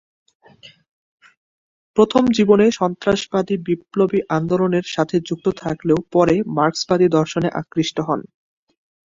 প্রথম জীবনে সন্ত্রাসবাদী বিপ্লবী আন্দোলনের সাথে যুক্ত থাকলেও পরে মার্কসবাদী দর্শনে আকৃষ্ট হন।